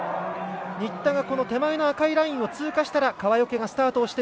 新田が手前の赤いラインを通過したら川除がスタート。